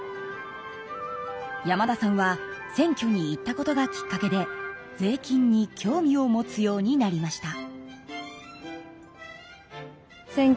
山田さんは選挙に行ったことがきっかけで税金に興味を持つようになりました。